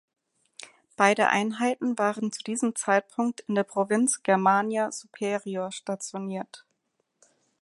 Beide Einheiten waren zu diesem Zeitpunkt in der Provinz Germania superior stationiert.